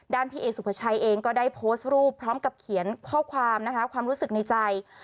พี่เอสุภาชัยเองก็ได้โพสต์รูปพร้อมกับเขียนข้อความนะคะความรู้สึกในใจ